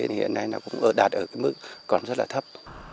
thì hiện nay nó cũng đạt ở cái mức còn rất là thấp